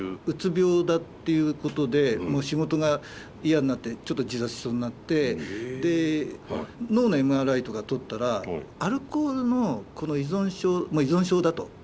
うつ病だっていうことでもう仕事が嫌になってちょっと自殺しそうになって脳のＭＲＩとか撮ったらアルコールの依存症だと。